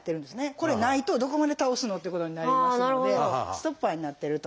これないとどこまで倒すの？っていうことになりますのでストッパーになってると。